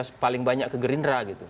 yang paling banyak kegerindera gitu